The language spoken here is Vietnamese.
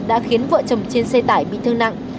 đã khiến vợ chồng trên xe tải bị thương nặng